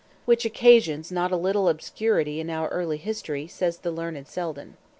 Which occasions not a little obscurity in our early History, says the learned Selden.